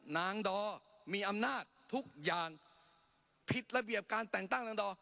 ดอมีอำนาจทุกอย่างผิดระเบียบการแต่งตั้งนางดอ